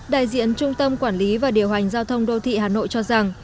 đại diện trung tâm quản lý và điều hành giao thông đô thị hà nội cho rằng